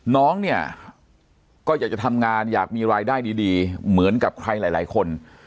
น้องเนี่ยก็อยากจะทำงานอยากมีรายได้ดีเหมือนกับใครหลายคน